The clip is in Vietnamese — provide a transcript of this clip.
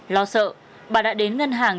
lo sợ bà đã đến ngân hàng